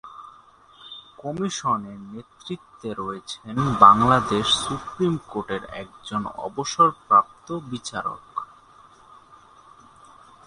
কমিশনের নেতৃত্বে রয়েছেন বাংলাদেশ সুপ্রিম কোর্টের একজন অবসরপ্রাপ্ত বিচারক।